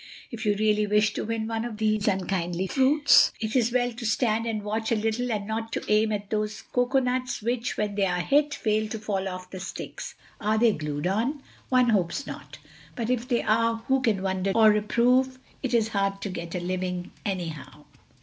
If you really wish to win one of these unkindly fruits it is well to stand and watch a little and not to aim at those coconuts which, when they are hit, fail to fall off the sticks. Are they glued on? One hopes not. But if they are, who can wonder or reprove? It is hard to get a living, anyhow.